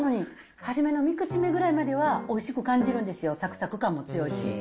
初めの３口目ぐらいまではおいしく感じるんですよ、さくさく感も強いし。